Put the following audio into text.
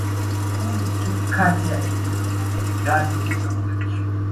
kumi tu kati ya eneo la Delgado na Mogadishu